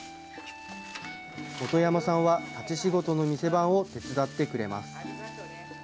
本山さんは、立ち仕事の店番を手伝ってくれます。